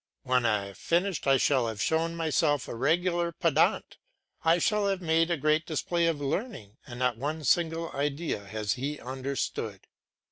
When I have finished I shall have shown myself a regular pedant, I shall have made a great display of learning, and not one single idea has he understood.